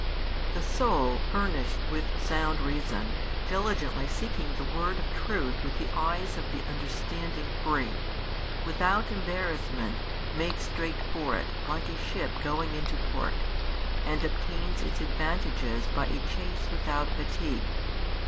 The soul furnished with sound reason, diligently seeking the word of truth with the eyes of the understanding free, without embarrassment makes straight for it like a ship going into port, and obtains its advantages by a chase without fatigue.